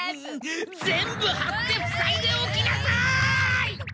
全部はってふさいでおきなさい！わ！